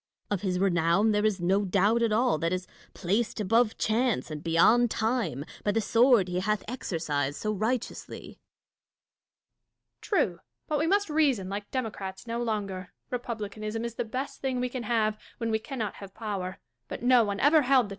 Of his renown there is no doubt at all : that is placed above chance and beyond time, by the sword he hath exercised so righteously. Catharine. True ; but we must reason like democrats no longer. Republicanism is the best thing we can have, when we cannot have power ; but no one ever held the two together.